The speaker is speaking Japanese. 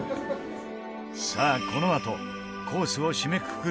さあ、このあとコースを締めくくる